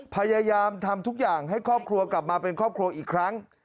พยายามทำทุกอย่างให้ครอบครัวกลับมาเป็นครอบครัวอีกครั้ง